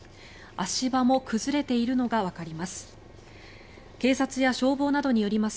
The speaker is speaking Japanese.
足場も崩れているのがわかります。